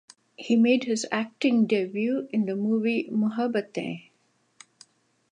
He made his acting debut in the movie "Mohabbatein".